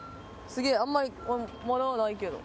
すげえ、あんまりまだないけど。